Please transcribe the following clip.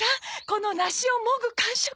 この梨をもぐ感触！